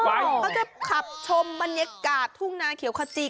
เขาจะขับชมบรรยากาศทุ่งนาเขียวขจี